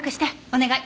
お願い。